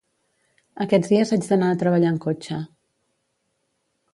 Aquests dies haig d'anar a treballar en cotxe